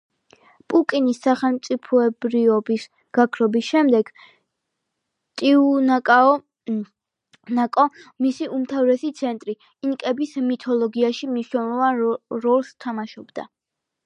პუკინის სახელმწიფოებრიობის გაქრობის შემდეგ, ტიუანაკო, მისი უმთავრესი ცენტრი, ინკების მითოლოგიაში მნიშვნელოვან როლს თამაშობდა.